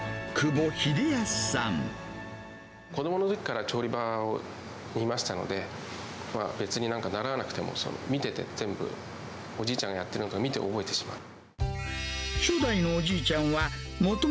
切り盛りするのは、３代目の店主、子どものときから調理場にいましたので、別になんか、習わなくても見てて、全部、おじいちゃんがやってるのを見て覚えてしまった。